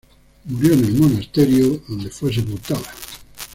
Murió en el monasterio, donde fue sepultada.